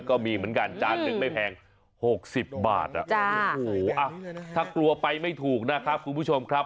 ก็มีเหมือนกันจานหนึ่งไม่แพง๖๐บาทโอ้โหถ้ากลัวไปไม่ถูกนะครับคุณผู้ชมครับ